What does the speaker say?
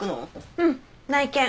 うん内見。